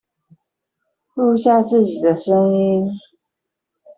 錄下自己的聲音